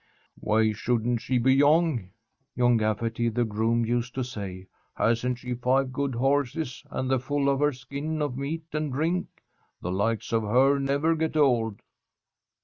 "Why shouldn't she be young?" John Gafferty, the groom, used to say. "Hasn't she five good horses and the full of her skin of meat and drink? The likes of her never get old."